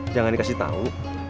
jangan dikasih tahu